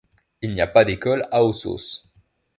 Il n'y a pas d'école à Aussos.